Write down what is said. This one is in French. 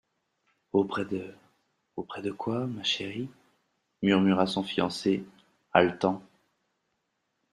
—«Auprès de … Auprès de quoi, ma chérie ?…» murmura son fiancé, haletant.